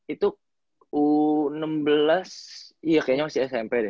itu u enam belas iya kayaknya masih smp deh